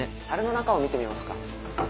樽の中を見てみますか？